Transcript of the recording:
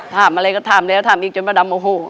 ถามอะไรก็ถามแล้วถามอีกจนป้าดำโอ้โห